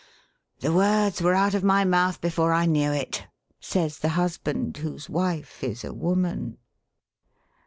'The words were out of my mouth before I knew it,' says the husband whose wife is a woman.